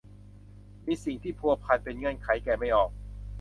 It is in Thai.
มีสิ่งที่พัวพันเป็นเงื่อนไขแกะไม่ออก